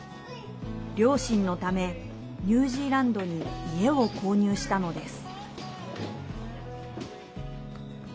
両親のため、ニュージーランドに家を購入したのです。